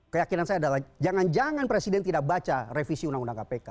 keyakinan saya adalah jangan jangan presiden tidak baca revisi undang undang kpk